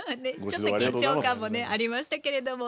ちょっと緊張感もねありましたけれども。